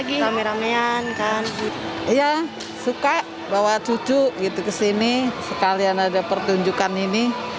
iya suka bawa cucu gitu ke sini sekalian ada pertunjukan ini